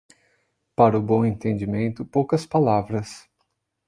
Para o bom entendimento, poucas palavras.